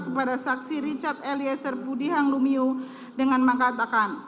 kepada saksi richard eliezer budi hanglumiu dengan mengatakan